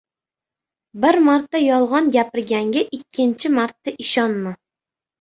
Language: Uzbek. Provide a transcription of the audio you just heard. • Bir marta yolg‘on gapirganga ikkinchi marta ishonma.